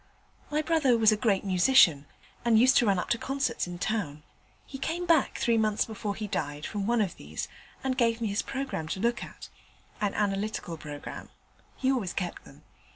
My brother was a great musician, and used to run up to concerts in town. He came back, three months before he died, from one of these, and gave me his programme to look at an analytical programme: he always kept them.